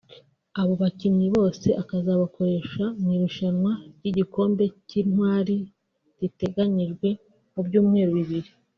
Abo bakinnyi bose azabakoresha mu irushanwa ry’igikombe cy’Intwari riteganyijwe mu byumweru bibiri